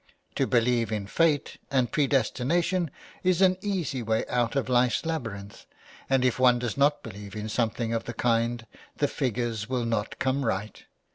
To believe in fate and predestination is an easy way out of life's laby rinth, and if one does not believe in something of the kind the figures will not come right.